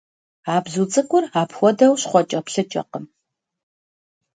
А бзу цӀыкӀур апхуэдэу щхъуэкӀэплъыкӀэкъым.